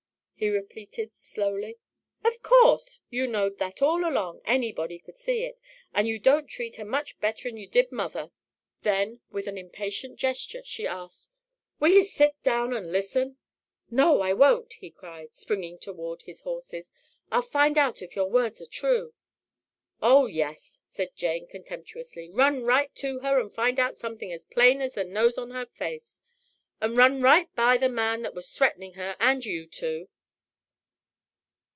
he repeated slowly. "Of course! You knowed that all 'long anybody could see it an' you don't treat her much better'n you did mother." Then, with an impatient gesture, she asked, "Will you sit down and listen?" "No, I won't!" he cried, springing toward his horses. "I'll find out if your words are true." "Oh, yes!" said Jane contemptuously; "run right to her to find out somethin' as plain as the nose on her face, and run right by the man that was threatenin' her and you too."